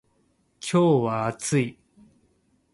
今日は暑い